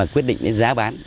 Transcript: quyết định đến giá bán